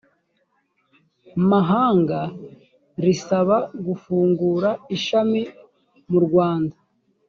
mahanga risaba gufungura ishami mu rwanda